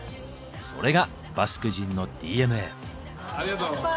それがバスク人のＤＮＡ。